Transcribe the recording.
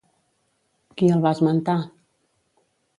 Qui el va esmentar?